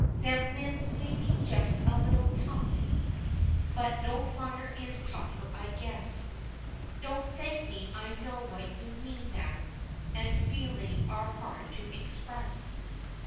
Them limbs may be just a little tough, But no fire is tougher, I guess, Don't thank me, I know what you mean now, An' feelin's are hard to express.